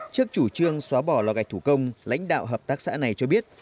trước chủ trương xóa bỏ lò gạch thủ công lãnh đạo hợp tác xã này cho biết